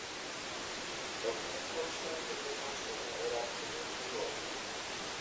দক্ষিণ-পশ্চিম থেকে পশ্চিমে এরা খুবই বিরল।